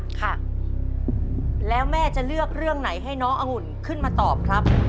ค่ะแล้วแม่จะเลือกเรื่องไหนให้น้ององุ่นขึ้นมาตอบครับ